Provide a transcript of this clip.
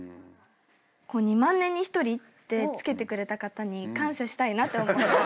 「２万年にひとり」って付けてくれた方に感謝したいなって思います。